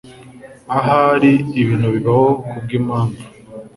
Ahari ibintu bibaho kubwimpamvu.